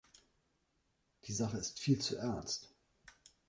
Die Sache ist viel zu ernst.